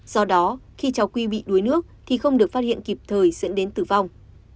do đó khi cháu quy bị đuối nước thì không được phát hiện kịp thời dẫn đến tử vong